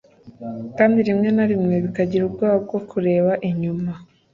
kandi rimwe na rimwe bikagira ubwoba bwo kureba inyuma